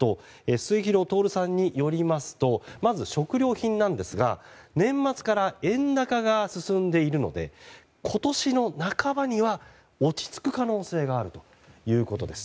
末廣徹さんによりますとまず食料品なんですが年末から円高が進んでいるので今年の半ばには落ち着く可能性があるということです。